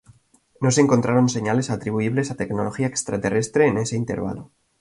No se encontraron señales atribuibles a tecnología extraterrestre en ese intervalo.